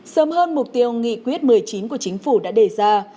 sớm hơn mục tiêu nghị quyết một mươi chín của chính phủ đã đề ra